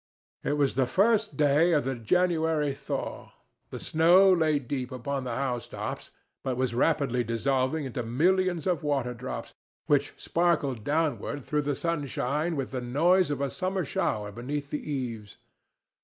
It was the first day of the January thaw. The snow lay deep upon the housetops, but was rapidly dissolving into millions of water drops, which sparkled downward through the sunshine with the noise of a summer shower beneath the eaves.